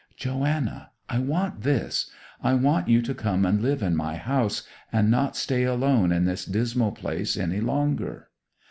'Joanna, I want this: I want you to come and live in my house, and not stay alone in this dismal place any longer.